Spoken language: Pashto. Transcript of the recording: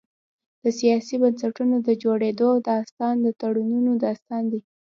د سیاسي بنسټونو د جوړېدو داستان د تړونونو داستان دی.